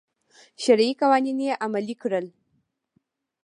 شرعي قوانین یې عملي کړل.